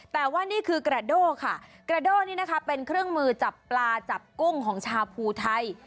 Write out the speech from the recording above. แต่ว่านี่คือกระโด่ค่ะกระโด่นี่นะคะเป็นเครื่องมือจับปลาจับกุ้งของชาวภูไทย